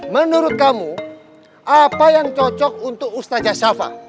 menurut kamu apa yang cocok untuk ustadz shafa